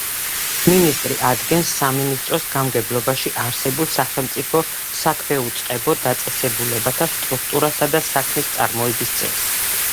მინისტრი ადგენს სამინისტროს გამგებლობაში არსებულ სახელმწიფო საქვეუწყებო დაწესებულებათა სტრუქტურასა და საქმისწარმოების წესს.